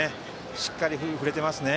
しっかり振れてますね。